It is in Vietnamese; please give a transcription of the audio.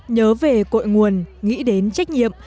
nhớ về cội nguồn nghĩ đến trách nhiệm